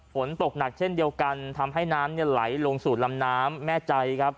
ฝนตกหนักเช่นเดียวกันทำให้น้ำไหลลงสู่ลำน้ำแม่ใจครับ